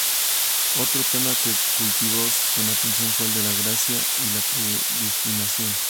Otro tema que cultivó con atención fue el de la gracia y la predestinación.